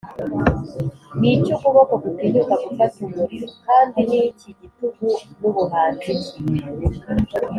niki ukuboko gutinyuka gufata umuriro? kandi niki gitugu, nubuhanzi ki,